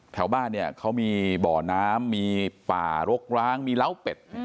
แถวบ้านเนี่ยเขามีบ่อน้ำมีป่ารกร้างมีเล้าเป็ด